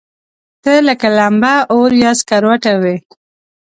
ته لکه لمبه، اور يا سکروټه وې